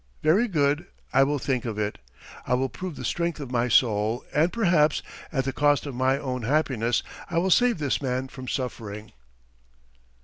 ... Very good, I will think of it ... I will prove the strength of my soul, and perhaps, at the cost of my own happiness, I will save this man from suffering!"